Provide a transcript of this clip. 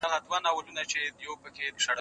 تاسي باید په ژوند کي د خدای د قدرت نښې وګورئ.